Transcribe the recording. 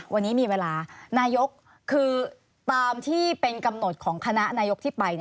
วันนี้มีเวลานายกคือตามที่เป็นกำหนดของคณะนายกที่ไป